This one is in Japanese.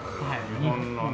日本のね。